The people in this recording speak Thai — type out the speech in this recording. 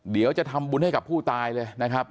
เดี๋ยวจะทำบุญให้กับผู้ตายเลยนะครับ